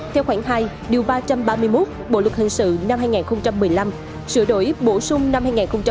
theo khoảng hai điều ba trăm ba mươi một bộ luật hình sự năm hai nghìn một mươi năm sửa đổi bổ sung năm hai nghìn một mươi bảy